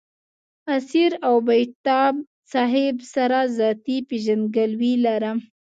اسیر او بېتاب صاحب سره ذاتي پېژندګلوي لرم.